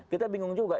kita bingung juga